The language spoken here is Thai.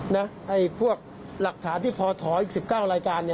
ไอ้พวกหลักฐานที่พอถอยอีก๑๙รายการ